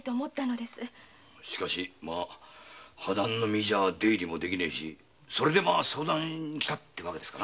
破談の身じゃ出入りもできねえしそれで相談に来たって訳ですな。